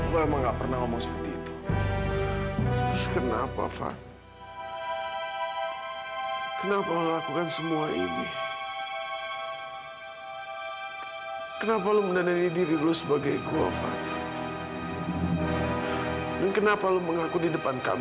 sampai jumpa di video selanjutnya